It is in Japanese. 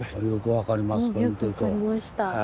よく分かりました。